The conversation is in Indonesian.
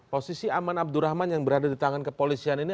posisi aman abdurrahman yang berada di tangan kepolisian ini